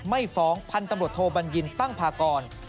ไม่ฟ้องพันธรรมดโทบัญญินตั้งพากร